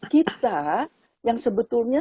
kita yang sebetulnya